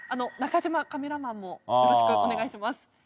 中島カメラマンもよろしくお願いします。